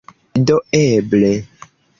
Do eble...